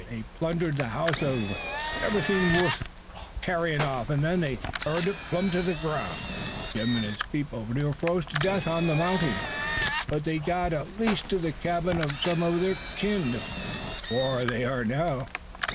They plundered the house uv everythin' wuth carryin' off an' then they burned it plum' to the groun'. Jim an' his people near froze to death on the mounting, but they got at last to the cabin uv some uv their kin, whar they are now.